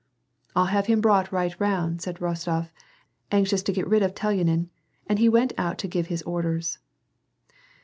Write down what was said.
" I'll have him brought right round," said Rostof, anxious to get rid of Telyanin, and went out to give his orders.